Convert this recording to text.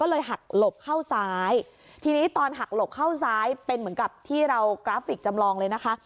หักหลบเข้าซ้ายทีนี้ตอนหักหลบเข้าซ้ายเป็นเหมือนกับที่เรากราฟิกจำลองเลยนะคะ